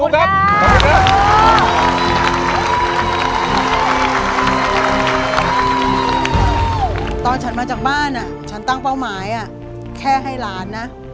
ตอนฉันมาจากบ้านฉันตั้งเป้าหมายแค่ให้หลานนะ